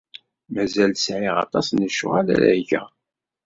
Mazal sɛiɣ aṭas n lecɣal ara geɣ.